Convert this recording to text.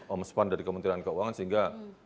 om sepan dari kementerian keuangan sehingga